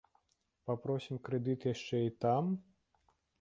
Папросім крэдыт яшчэ і там?